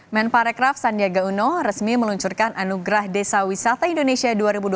men parekraf sandiaga uno resmi meluncurkan anugerah desa wisata indonesia dua ribu dua puluh